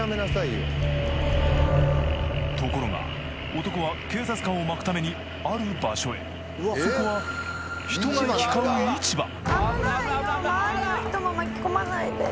ところが男は警察官をまくためにある場所へそこは人が行き交う市場危ないよ